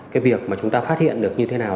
cái việc mà chúng ta phát hiện được như thế nào